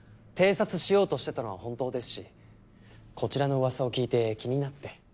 偵察しようとしてたのは本当ですしこちらの噂を聞いて気になって。